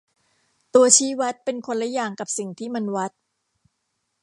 ตัวชี้วัดเป็นคนละอย่างกับสิ่งที่มันวัด